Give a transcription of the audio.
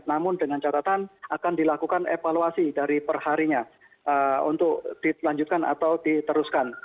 namun dengan catatan akan dilakukan evaluasi dari perharinya untuk dilanjutkan atau diteruskan